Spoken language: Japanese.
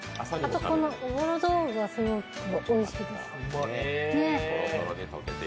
このおぼろ豆腐がおいしいです。